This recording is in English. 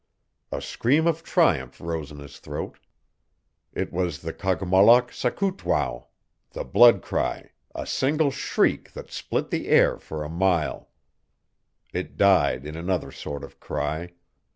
A scream of triumph rose in his throat. It was the Kogmollock sakootwow the blood cry, a single shriek that split the air for a mile. It died in another sort of cry.